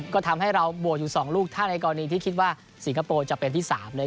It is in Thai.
ก็ทำให้เราบวกอยู่๒ลูกถ้าในกรณีที่คิดว่าสิงคโปร์จะเป็นที่๓เลย